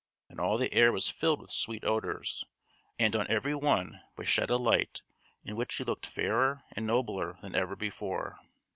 And all the air was filled with sweet odours, and on every one was shed a light in which he looked fairer and nobler than ever before.